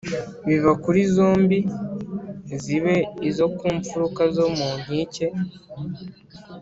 Biba kuri zombi zibe izo ku mpfuruka zo mu nkike